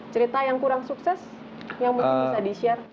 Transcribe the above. cerita yang kurang sukses yang mungkin bisa di share